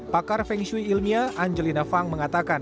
pakar feng shui ilmiah angelina fang mengatakan